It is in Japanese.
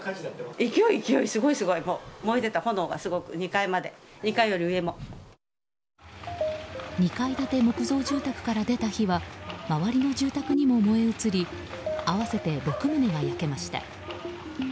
２階建て木造住宅から出た火は周りの住宅にも燃え移り合わせて６棟が焼けました。